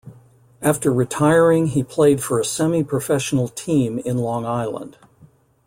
After retiring he played for a semi professional team in Long Island.